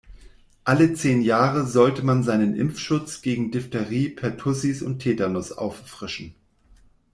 Alle zehn Jahre sollte man seinen Impfschutz gegen Diphterie, Pertussis und Tetanus auffrischen.